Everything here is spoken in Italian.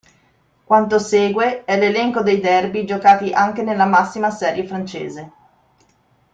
Quanto segue è l'elenco dei derby giocati anche nella massima serie francese.